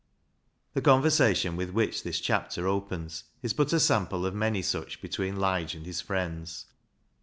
The conversation with which this chapter opens is but a sample of many such between Lige and his friends.